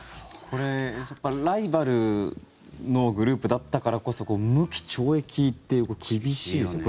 ライバルのグループだったからこそ無期懲役って厳しいですね。